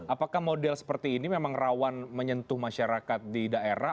apakah model seperti ini memang rawan menyentuh masyarakat di daerah